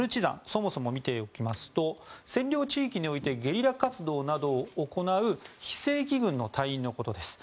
そもそも見ていきますと占領地域においてゲリラ活動などを行う非正規軍の隊員のことです。